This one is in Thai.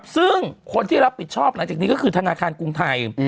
ซึ่งคนที่รับผิดชอบหลังจากนี้ก็คือธนาคารกรุงไทย